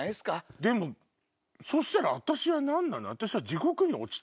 でもそしたら私は何なの？